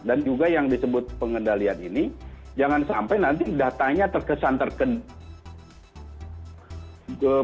dan juga yang disebut pengendalian ini jangan sampai nanti datanya terkesan terkena